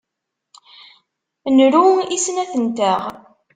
Nru i snat-nteɣ.